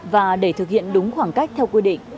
và để thực hiện đúng khoảng cách theo quy định